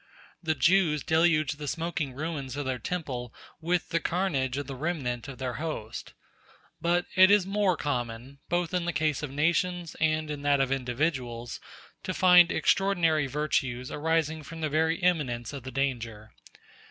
The Jews deluged the smoking ruins of their temple with the carnage of the remnant of their host. But it is more common, both in the case of nations and in that of individuals, to find extraordinary virtues arising from the very imminence of the danger.